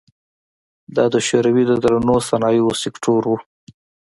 دا د شوروي د درنو صنایعو سکتور و.